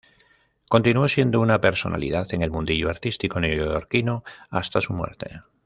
Continuó siendo una personalidad en el mundillo artístico neoyorquino hasta su muerte.